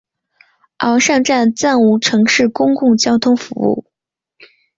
昂尚站暂无城市公共交通服务。